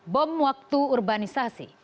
bom waktu urbanisasi